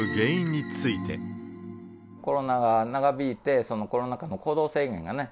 コロナが長引いて、コロナ禍の行動制限がね、